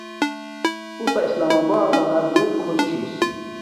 اُو تھا اسلام آباتنا بوت خوش چھس